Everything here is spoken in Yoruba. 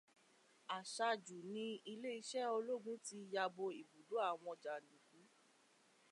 Aṣáájú ní iléeṣẹ́ ológun ti yabo ibùdó àwọn jàndùkú.